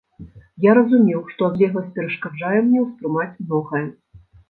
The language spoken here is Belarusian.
Я разумеў, што адлегласць перашкаджае мне ўспрымаць многае.